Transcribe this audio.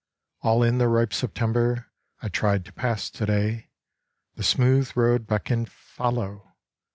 All in the ripe September I tried to pass today. The smooth road beckoned Follow!